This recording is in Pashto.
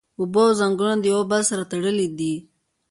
اوبه او ځنګلونه د یو او بل سره تړلی دی